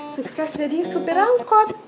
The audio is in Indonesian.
sukses jadi supir angkot